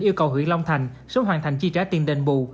yêu cầu huyện long thành sớm hoàn thành chi trả tiền đền bù